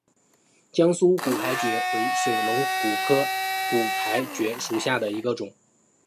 甘肃骨牌蕨为水龙骨科骨牌蕨属下的一个种。